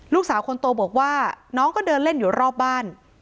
ลูกสาวคนโตบอกว่าน้องก็เดินเล่นอยู่รอบบ้าน